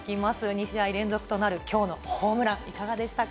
２試合連続となるきょうのホームラン、いかがでしたか？